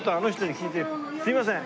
すいません。